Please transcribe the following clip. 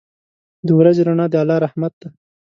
• د ورځې رڼا د الله رحمت دی.